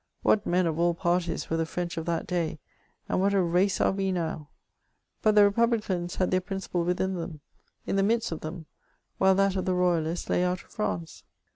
What men of all parties were the French of that day, and what a race are we now ! But the Repuhlicans had their piin^ ciple within them — in the midst of them — whilst that of the Royalists lay out of France.